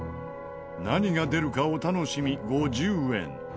何が出るかお楽しみ５０円。